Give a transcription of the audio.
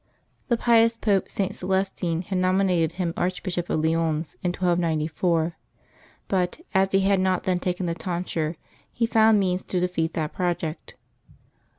The pious Pope St. Celestine had nominated him Archbishop of Lyons in 1294; but, as he had not then taken the tonsure, he found means to defeat that project.